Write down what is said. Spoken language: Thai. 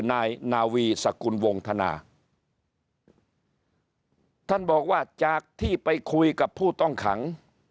นายนาวีสกุลวงธนาท่านบอกว่าจากที่ไปคุยกับผู้ต้องขัง